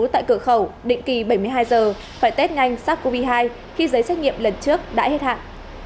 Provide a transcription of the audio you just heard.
tại cửa khẩu định kỳ bảy mươi hai giờ phải test nhanh sars cov hai khi giấy xét nghiệm lần trước đã hết hạn